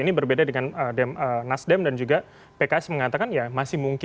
ini berbeda dengan nasdem dan juga pks mengatakan ya masih mungkin